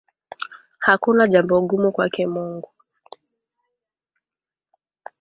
Hakuna jambo gumu kwake Mungu.